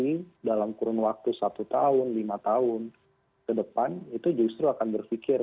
jadi dalam kurun waktu satu tahun lima tahun ke depan itu justru akan berpikir